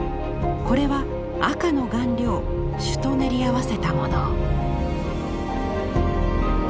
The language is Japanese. これは赤の顔料朱と練り合わせたもの。